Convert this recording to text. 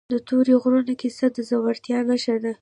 د تورې غرونو کیسه د زړورتیا نښه ده.